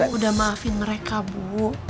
udah maafin mereka bu